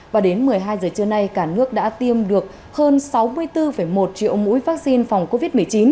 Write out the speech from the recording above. và đến một mươi hai giờ trưa nay cả nước đã tiêm được hơn sáu mươi bốn một triệu mũi vaccine phòng covid một mươi chín